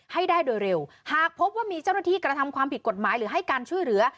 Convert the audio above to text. ให้ได้โดยเร็วหากพบว่ามีเจ้าหน้าที่กระทำความผิดกฎหมายหรือให้การช่วยเหลือ